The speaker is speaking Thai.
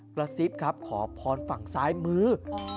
กระซิบคือขอพรฟังซ้ายมือ